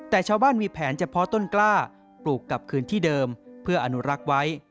แต่ชาวบ้านมีแผนเฉพาะต้นกล้าปลูกกลับคืนที่เดิมเพื่ออนุรักษ์ไว้